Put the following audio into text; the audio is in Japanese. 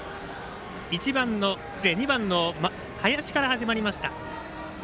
２番の林から始まりました。